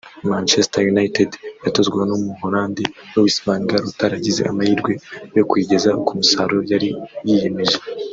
Manchester United yatozwaga n’Umuholandi Luis Van Gaal utaragize amahirwe yo kuyigeza ku musaruro yari yiyemeje